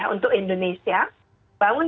untuk indonesia bangun